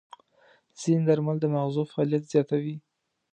ځینې درمل د ماغزو فعالیت زیاتوي.